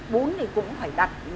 bún thì cũng phải đặt